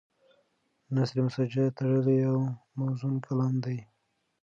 نثر مسجع تړلی او موزون کلام دی.